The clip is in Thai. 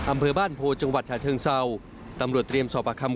อำเภอบ้านโพจังหวัดฉะเชิงเศร้าตำรวจเตรียมสอบประคำ